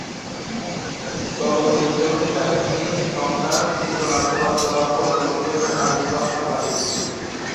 চলচ্চিত্রটি কাহিনী, সংলাপ, চিত্রনাট্য রচনা ও পরিচালনা করেছেন হাবিবুর রহমান হাবিব।